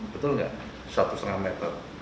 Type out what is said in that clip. betul nggak satu lima meter